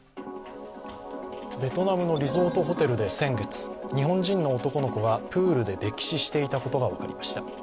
ベトナムのリゾートホテルで先月、日本人の男の子がプールで溺死していたことが分かりました。